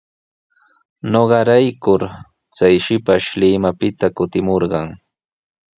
Ñuqarayku chay shipash Limapita kutimurqan.